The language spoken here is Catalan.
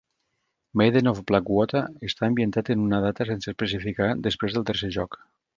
"Maiden of Black Water" està ambientat en una data sense especificar després del tercer joc.